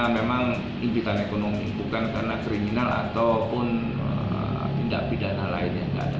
memang impitan ekonomi bukan karena kriminal ataupun tindak pidana lainnya